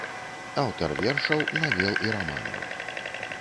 Аўтар вершаў, навел і раманаў.